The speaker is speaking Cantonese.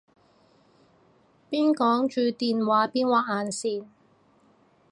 邊講住電話邊畫眼線